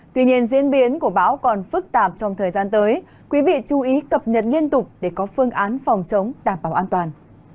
tuy nhiên diễn biến của bão còn phức tạp trong thời gian tới quý vị chú ý cập nhật liên tục để có phương án phòng chống đảm bảo an toàn